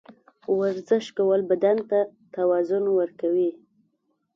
ورزش کول بدن ته توازن ورکوي.